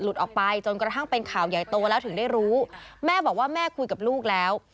ออกไปจนกระทั่งเป็นข่าวใหญ่โตแล้วถึงได้รู้แม่บอกว่าแม่คุยกับลูกแล้ว